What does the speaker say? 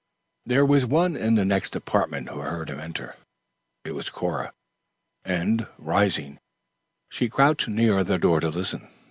There was one in the next apartment who heard him enter. It was Cora, and, rising, she crouched near the door to listen.